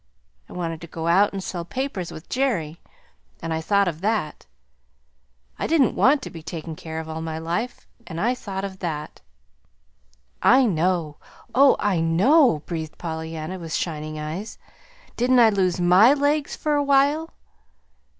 I wanted to go out and sell papers with Jerry; and I thought of that. I didn't want to be taken care of all my life; and I thought of that." "I know, oh, I know," breathed Pollyanna, with shining eyes. "Didn't I lose MY legs for a while?"